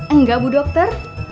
enggak bu dokter